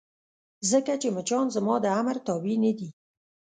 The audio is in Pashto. ځکه چې مچان زما د امر تابع نه دي.